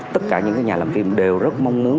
tất cả những cái nhà làm phim đều rất mong nướng